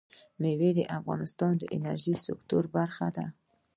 مېوې د افغانستان د انرژۍ سکتور برخه ده.